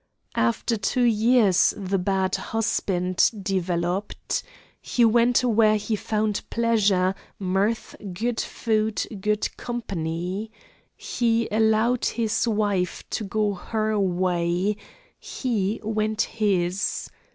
After two years the bad husband developed. He went where he found pleasure, mirth, good food, good company. He allowed his wife to go her way; he went his.